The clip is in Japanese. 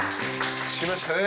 しましたね。